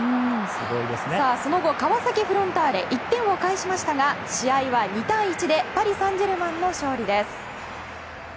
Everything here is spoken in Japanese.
その後川崎フロンターレは１点を返しましたが試合は２対１でパリ・サンジェルマンの勝利です。